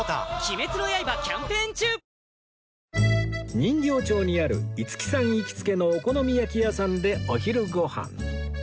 人形町にある五木さん行きつけのお好み焼き屋さんでお昼ご飯